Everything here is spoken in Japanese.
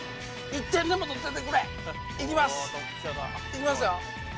いきますよ？